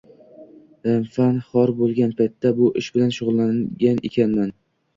Ilm-fan xor boʻlgan paytda bu ish bilan shugʻullangan ekanman.